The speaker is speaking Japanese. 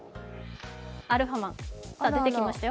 アルファマン、出てきましたよ